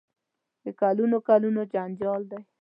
د کلونو کلونو جنجال دی.